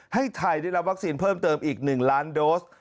ให้ไทยได้รับวัคซีนเพิ่มเติมอีก๑ล้านโดส